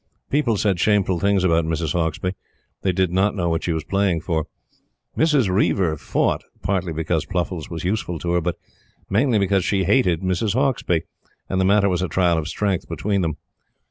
People said shameful things about Mrs. Hauksbee. They did not know what she was playing for. Mrs. Reiver fought, partly because Pluffles was useful to her, but mainly because she hated Mrs. Hauksbee, and the matter was a trial of strength between them.